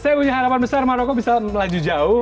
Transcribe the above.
saya punya harapan besar maroko bisa melaju jauh